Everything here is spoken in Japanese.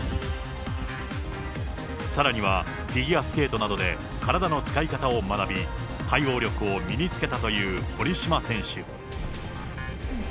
さらにはフィギュアスケートなどで体の使い方を学び、対応力を身につけたという堀島選手。